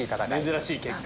珍しい結果。